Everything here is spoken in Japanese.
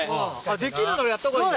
できるならやったほうがいい。